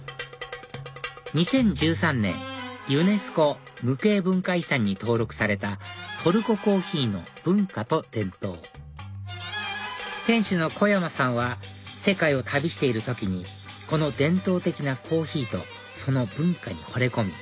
２０１３年ユネスコ無形文化遺産に登録されたトルココーヒーの文化と伝統店主の小山さんは世界を旅している時にこの伝統的なコーヒーとその文化にほれ込み